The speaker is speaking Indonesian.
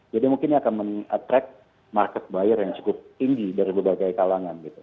jadi mungkin ini akan men attract market buyer yang cukup tinggi dari berbagai kalangan